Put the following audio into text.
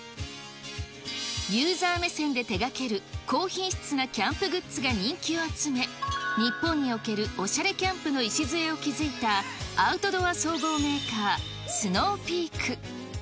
ユーザー目線で手がける高品質なキャンプグッズが人気を集め、日本におけるおしゃれキャンプの礎を築いたアウトドア総合メーカー、スノーピーク。